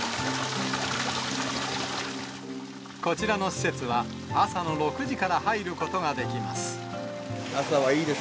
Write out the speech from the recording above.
こちらの施設は、朝の６時から入ることができます。